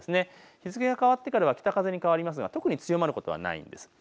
日付が変わってからは北風に変わりますが特に強まることはないんです。